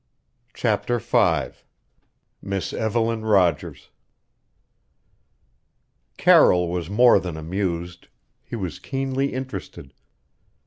CHAPTER V MISS EVELYN ROGERS Carroll was more than amused; he was keenly interested.